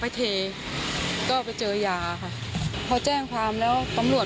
พี่ต้องเช่าบ้านแล้วก็ส่งรถ